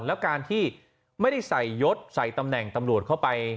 แล้วการที่ไม่ได้ใส่ยศใส่ตำแหน่งตำรวจเข้าไป